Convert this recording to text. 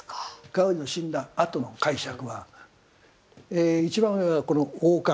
ガウディの死んだあとの解釈は一番上はこの王冠。